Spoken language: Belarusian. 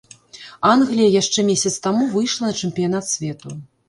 Англія яшчэ месяц таму выйшла на чэмпіянат свету.